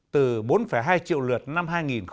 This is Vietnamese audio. từ bốn hai triệu lượt năm hai nghìn tám